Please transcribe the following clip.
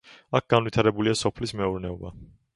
აქ განვითარებულია სოფლის მეურნეობა.